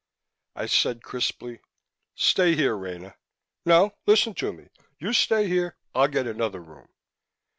I said crisply, "Stay here, Rena. No listen to me. You stay here. I'll get another room."